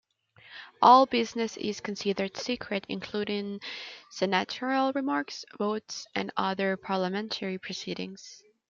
All business is considered secret, including senatorial remarks, votes, and other parliamentary proceedings.